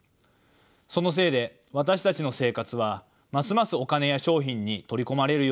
そのせいで私たちの生活はますますお金や商品に取り込まれるようになっていきました。